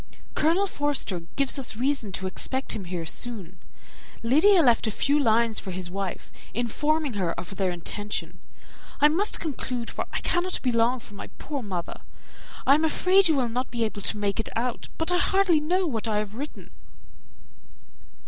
Colonel Forster gives us reason to expect him here soon. Lydia left a few lines for his wife, informing her of their intention. I must conclude, for I cannot be long from my poor mother. I am afraid you will not be able to make it out, but I hardly know what I have written."